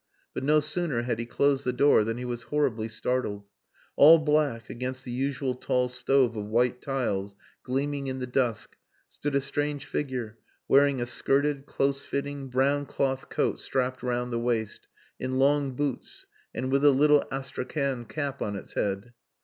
But no sooner had he closed the door than he was horribly startled. All black against the usual tall stove of white tiles gleaming in the dusk, stood a strange figure, wearing a skirted, close fitting, brown cloth coat strapped round the waist, in long boots, and with a little Astrakhan cap on its head.